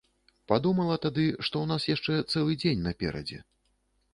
Падумала тады, што ў нас яшчэ цэлы дзень наперадзе.